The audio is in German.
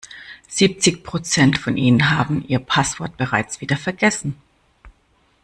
Siebzig Prozent von Ihnen haben ihr Passwort bereits wieder vergessen.